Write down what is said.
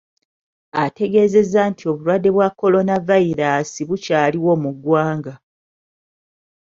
Ategeezeza nti obulwadde bwa Kolonavayiraasi bukyaliwo mu ggwanga.